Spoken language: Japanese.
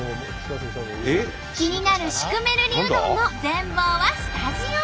気になるシュクメルリうどんの全貌はスタジオで！